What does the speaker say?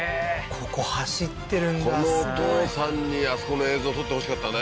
ここ走ってるんだすごいこのお父さんにあそこの映像撮ってほしかったね